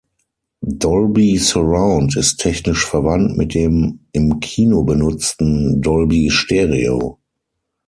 Dolby Surround ist technisch verwandt mit dem im Kino benutzten Dolby Stereo.